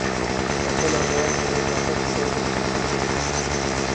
ایسے نوجوان جنہیں سیاست سے کوئی دلچسپی نہیں تھی۔